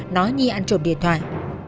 nói nhi ăn trộm điện thoại